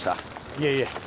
いえいえ